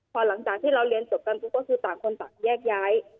พอหลังจากที่เราเรียนจบกันปุ๊บก็คือต่างคนต่างแยกย้าย